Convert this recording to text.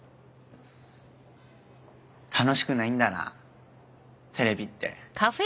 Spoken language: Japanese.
楽しくないんだなテレビって。